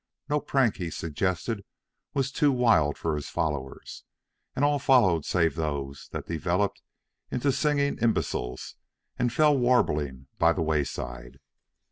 No prank he suggested was too wild for his followers, and all followed save those that developed into singing imbeciles and fell warbling by the wayside.